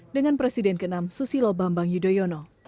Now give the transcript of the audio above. dengan presiden ke enam susilo bambang yudhoyono